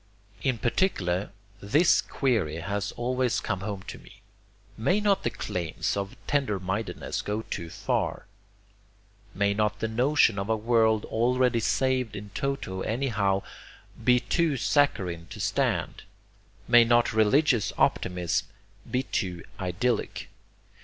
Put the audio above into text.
In particular THIS query has always come home to me: May not the claims of tender mindedness go too far? May not the notion of a world already saved in toto anyhow, be too saccharine to stand? May not religious optimism be too idyllic?